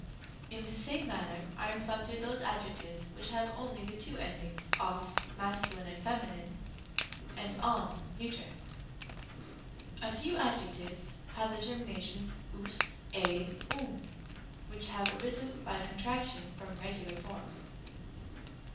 In the same manner are inflected those adjectives which have only the two endings os (masc.: and fem.) and ον (neut.). Rem. e. A few adjectives have the terminations ovs, ἡ, ovr, which have arisen by contraction from regular forms.